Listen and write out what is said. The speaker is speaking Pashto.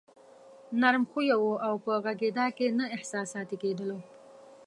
نرم خويه وو او په غږېدا کې نه احساساتي کېدلو.